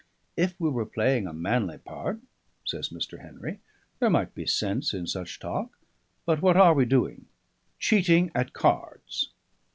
"If we were playing a manly part," says Mr. Henry, "there might be sense in such talk. But what are we doing? Cheating at cards!"